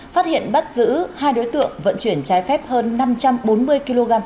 phát hiện bắt giữ hai đối tượng vận chuyển trái phép hơn năm trăm bốn mươi kg pháo